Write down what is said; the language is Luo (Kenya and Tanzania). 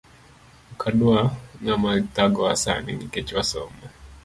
Okwadwa ngama thagowa sani Nikech wasomo